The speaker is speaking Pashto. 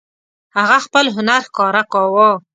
هغه خپل هنر ښکاره کاوه.